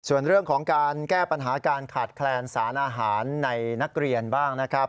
ส่วนเรื่องของการแก้ปัญหาการขาดแคลนสารอาหารในนักเรียนบ้างนะครับ